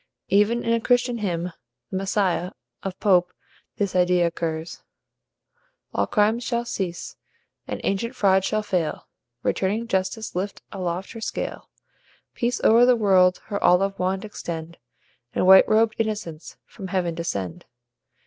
Even in a Christian hymn, the "Messiah" of Pope, this idea occurs: "All crimes shall cease, and ancient fraud shall fail, Returning Justice lift aloft her scale, Peace o'er the world her olive wand extend, And white robed Innocence from heaven descend."